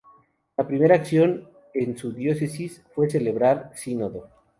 La primera acción en su diócesis fue celebrar Sínodo.